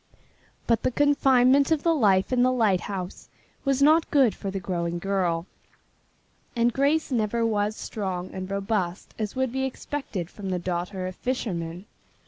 But the confinement of the life in the lighthouse was not good for the growing girl, and Grace never was strong and robust as would be expected from the daughter of fishermen.